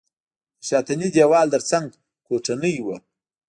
د شاتني دېوال تر څنګ کوټنۍ وه.